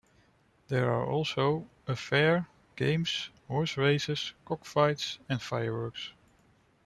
There are also: a fair, games, horse races, cockfights and fireworks.